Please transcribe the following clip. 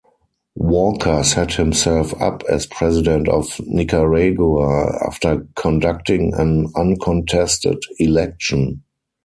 Walker set himself up as President of Nicaragua, after conducting an uncontested election.